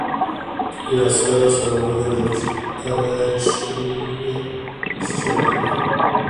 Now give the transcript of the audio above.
یو عسکر راسره ولېږه چې را يې ښيي، چې چېرته ده.